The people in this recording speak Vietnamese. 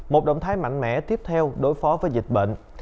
một động thái mạnh mẽ tiếp theo đối phó với dịch bệnh